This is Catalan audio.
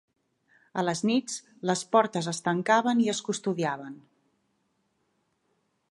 A les nits les portes es tancaven i es custodiaven.